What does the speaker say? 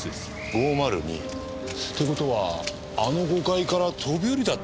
５０２って事はあの５階から飛び降りたって事か。